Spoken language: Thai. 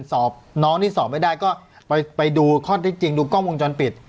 สอบน้องที่สอบไม่ได้ก็ไปดูข้อที่จริงดูกล้องวงจรปิด